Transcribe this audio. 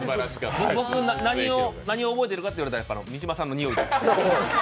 僕、何を覚えているかって言われたら三島さんの臭い。